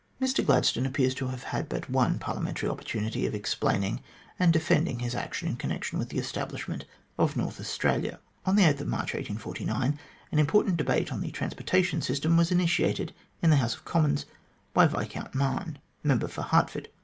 Mr Gladstone appears to have had but one Parliamentary opportunity of explaining and defending his action in con nection with the establishment of North Australia. On March 8, 1849, an important debate on the trans portation system was initiated in the House of Commons by Viscount Mahon, Member for Hertford.